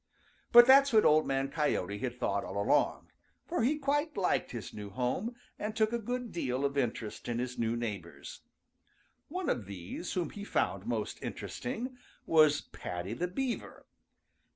But that's what Old Man Coyote had thought all along, for he quite liked his new home and took a good deal of interest in his new neighbors. One of these whom he found most interesting was Paddy the Beaver.